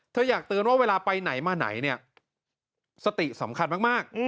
อยากเตือนว่าเวลาไปไหนมาไหนเนี่ยสติสำคัญมาก